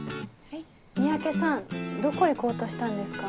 三宅さんどこ行こうとしたんですか？